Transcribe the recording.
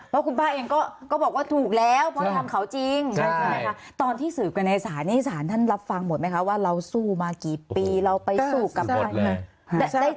ว่าคุณป้าเองก็บอกว่าถูกแล้วเพราะทำเขาจริงใช่ไหมคะตอนที่สืบกันในศาลนี้ศาลท่านรับฟังหมดไหมคะว่าเราสู้มากี่ปีเราไปสู้กับใคร